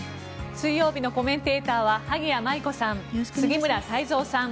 水曜日のコメンテーターは萩谷麻衣子さん、杉村太蔵さん